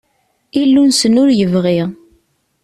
Illu-nsen ur yebɣi.